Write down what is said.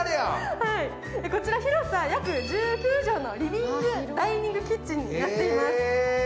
こちら広さ約１９畳のリビングダイニングキッチンです。